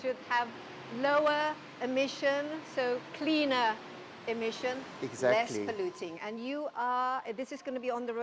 jadi ini harus memiliki emisi yang rendah